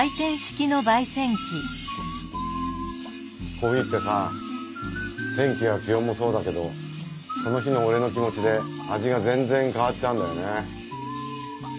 コーヒーってさ天気や気温もそうだけどその日の俺の気持ちで味が全然変わっちゃうんだよね。